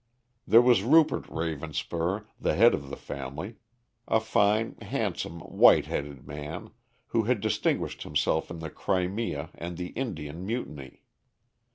There was Rupert Ravenspur, the head of the family, a fine, handsome, white headed man, who had distinguished himself in the Crimea and the Indian Mutiny.